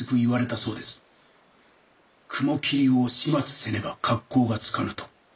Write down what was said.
「雲霧を始末せねば格好がつかぬ」と。